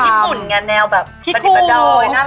คนญี่ปุ่นไงแนวแบบปฏิบัติโดยน่ารัก